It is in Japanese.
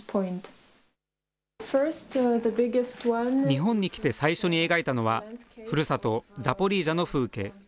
日本に来て最初に描いたのは、ふるさと、ザポリージャの風景。